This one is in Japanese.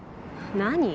何？